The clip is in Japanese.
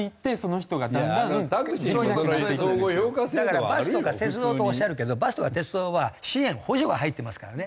だからバスとか鉄道とおっしゃるけどバスとか鉄道は支援補助が入ってますからね。